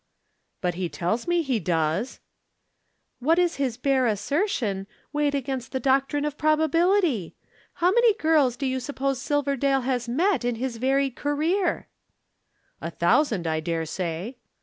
"But he tells me he does!" "What is his bare assertion weighed against the doctrine of probability! How many girls do you suppose Silverdale has met in his varied career?" "A thousand, I dare say."